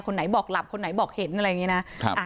ไหนบอกหลับคนไหนบอกเห็นอะไรอย่างนี้นะ